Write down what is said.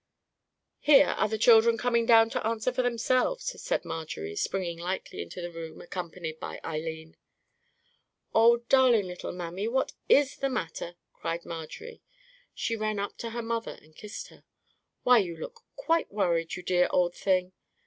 "Here are the children coming down to answer for themselves," said Marjorie, springing lightly into the room accompanied by Eileen. "Oh, darling little mammy, what is the matter?" cried Marjorie. She ran up to her mother and kissed her. "Why, you look quite worried, you dear old thing.